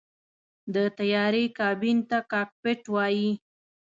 د طیارې کابین ته “کاکپټ” وایي.